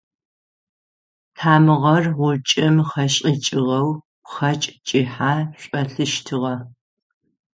Тамыгъэр гъучӏым хэшӏыкӏыгъэу пхъэкӏ кӏыхьэ шӏолъыщтыгъэ.